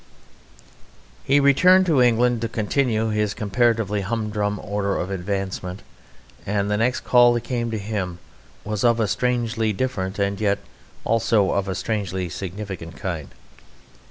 He returned to England to continue his comparatively humdrum order of advancement; and the next call that came to him was of a strangely different and yet also of a strangely significant kind.